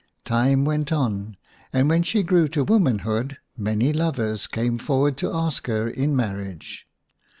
Time went on, and when she grew to woman hood many lovers came forward to ask her in marriage.